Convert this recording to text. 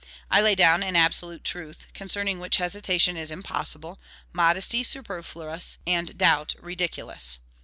I lay down an absolute truth, concerning which hesitation is impossible, modesty superfluous, and doubt ridiculous.